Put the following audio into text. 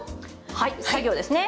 はい作業ですね。